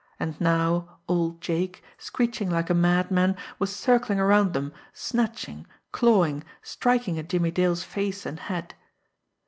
And now, old Jake, screeching like a madman, was circling around them, snatching, clawing, striking at Jimmie Dale's face and head.